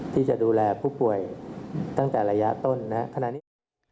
ที่จะดูแลผู้ป่วยตั้งแต่ระยะต้นขณะนี้